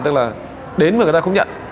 tức là đến mà người ta không nhận